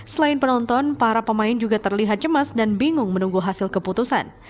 selain penonton para pemain juga terlihat cemas dan bingung menunggu hasil keputusan